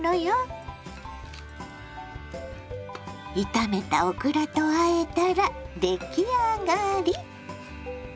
炒めたオクラとあえたら出来上がり。